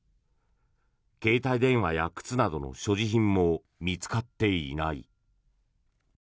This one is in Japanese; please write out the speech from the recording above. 携帯電話や靴などの所持品も見つかっていない。